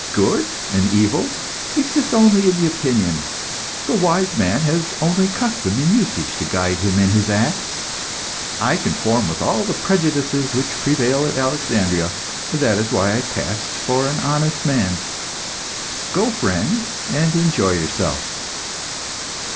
Good and evil exist only in the opinion. The wise man has only custom and usage to guide him in his acts. I conform with all the prejudices which prevail at Alexandria. That is why I pass for an honest man. Go, friend, and enjoy yourself."